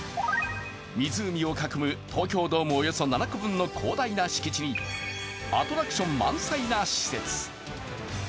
湖を囲む東京ドームおよそ７個分の広大な敷地にアトラクション満載な施設。